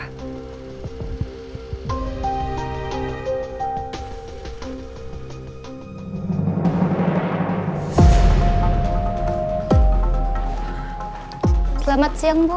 selamat siang bu